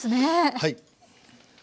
はい。